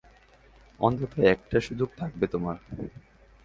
অন্তত একটা সুযোগ থাকবে তোমার।